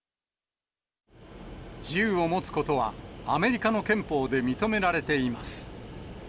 銃を持つことはアメリカの憲法で認められています。